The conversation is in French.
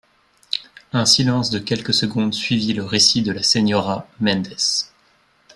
Un silence de quelques secondes suivit le récit de la señora Mendez.